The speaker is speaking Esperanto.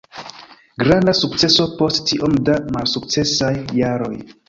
Granda sukceso post tiom da malsukcesaj jaroj.